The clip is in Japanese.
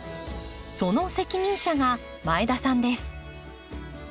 その責任者が前田さんです。